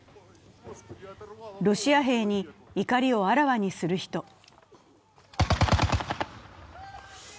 ロシア兵に怒りをあらわにする人。